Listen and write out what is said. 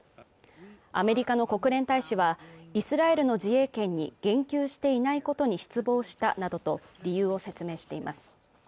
アメリカの国連大使はイスラエルの自衛権に言及していないことに失望したなどと理由を説明しています